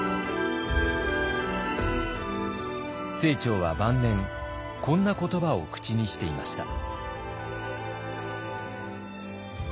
清張は晩年こんな言葉を口にしていました。